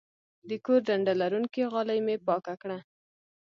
د کور ډنډه لرونکې غالۍ مې پاکه کړه.